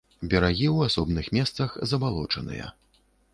Берагі ў асобных месцах забалочаныя.